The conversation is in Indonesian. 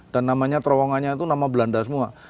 dan namanya terowongannya itu nama belanda semua